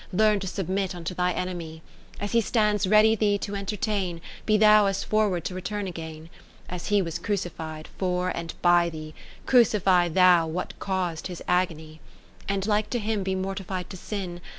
Learn to submit unto thy enemy ; As He stands ready thee to entertain, Be thou as forward to return again ; As He was crucified for and by thee, Crucify thou what caus'd His Agony : And like to Him be mortified to sin.